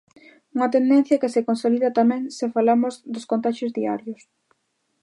Unha tendencia que se consolida tamén se falamos dos contaxios diarios.